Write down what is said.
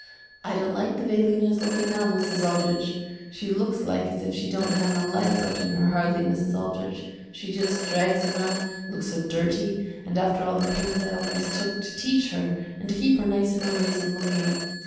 I don't like it the way Lena is looking now, Mrs. Aldrich. She looks like as if she don't have no life left in her hardly, Mrs. Aldrich, she just drags around and looks so dirty and after all the pains I always took to teach her and to keep her nice in her ways and looking.